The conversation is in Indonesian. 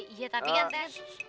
iya tapi kan ter